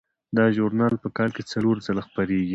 دا ژورنال په کال کې څلور ځله خپریږي.